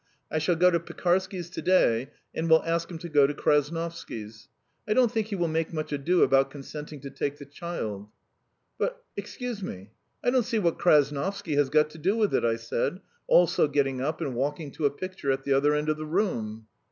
"I shall go to Pekarsky's to day and will ask him to go to Krasnovsky's. I don't think he will make much ado about consenting to take the child." "But, excuse me, I don't see what Krasnovsky has got to do with it," I said, also getting up and walking to a picture at the other end of the room.